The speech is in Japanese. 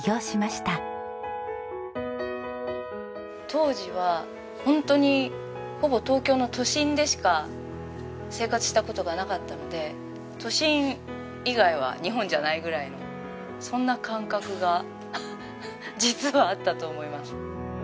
当時はホントにほぼ東京の都心でしか生活した事がなかったので都心以外は日本じゃないぐらいのそんな感覚が実はあったと思います。